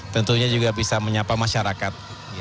tentunya juga bisa menyapa masyarakat